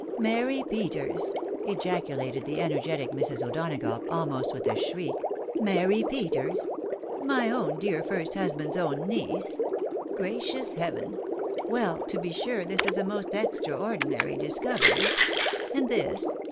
" Mary Peters !" ejaculated the energetic Mrs. O'Dona gough, almost with a shriek, " Mary Peters ! my own dear first husband's own niece! Gracious heaven! Well, to be sure, this is a most extraordinary discovery I And this?